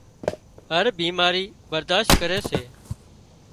هر بيماري برادشت ڪري سي